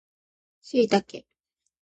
シイタケ